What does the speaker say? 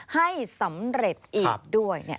ให้สำเร็จอีกด้วย